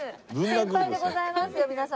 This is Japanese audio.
先輩でございますよ皆様。